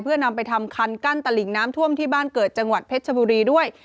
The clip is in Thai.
เพื่อนำไปทำคันกั้นตลิงน้ำท่วมที่บ้านเกิดจังหวัดเพชรชบุรีด้วย